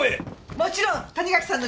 もちろん谷垣さんの家へ。